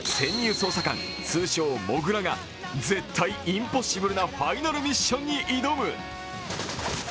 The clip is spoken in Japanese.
捜査官、通称モグラが絶対インポッシブルなファイナルミッションに挑む。